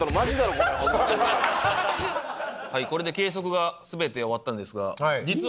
はいこれで計測が全て終わったんですが実は。